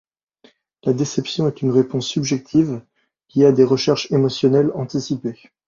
La déception est une réponse subjective liée à des recherches émotionnelles anticipées.